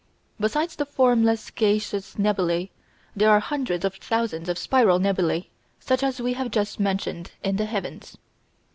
Besides the formless gaseous nebulæ there are hundreds of thousands of "spiral" nebulæ such as we have just mentioned in the heavens.